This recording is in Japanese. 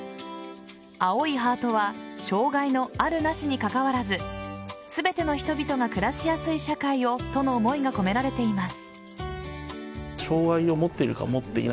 青いハートは障害のあるなしにかかわらず全ての人々が暮らしやすい社会をとの思いが込められています。